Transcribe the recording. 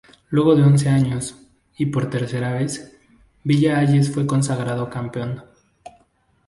Luego de once años, y por tercera vez, Villa Hayes fue consagrado campeón.